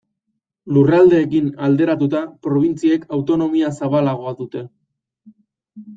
Lurraldeekin alderatuta, probintziek autonomia zabalagoa dute.